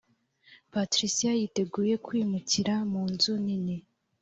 patricia yiteguye kwimukira mu nzu nini